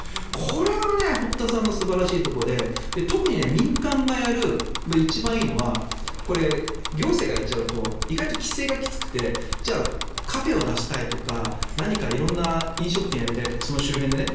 これが堀田さんの素晴らしいところで特に民間がやる一番いいのはこれ、行政がやっちゃうと意外と規制がきつくてカフェを出したいとか何か色んな飲食店をやりたいとかその周辺でね。